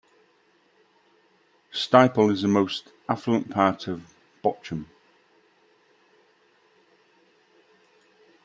Stiepel is the most affluent part of Bochum.